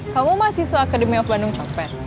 kamu mahasiswa akademi of bandung cokpen